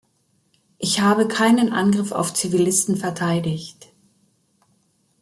Ich habe keinen Angriff auf Zivilisten verteidigt.